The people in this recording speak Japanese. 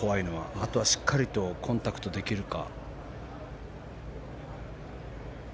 あとはしっかりとコンタクトできるか。